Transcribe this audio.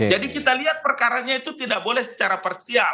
jadi kita lihat perkaranya itu tidak boleh secara parsial